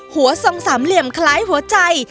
หัวทรงสามเหลี่ยมคล้ายหัวใจ